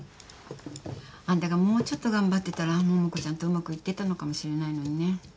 あんたがもうちょっと頑張ってたら桃子ちゃんとうまくいってたのかもしれないのにね。